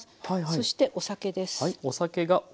そしてお酒です。